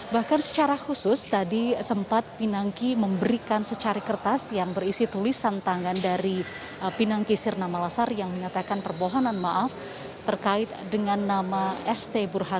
bahkan secara khusus tadi sempat pinangki memberikan secari kertas yang berisi tulisan tangan dari pinangki sirna malasar yang menyatakan permohonan maaf terkait dengan nama st burhan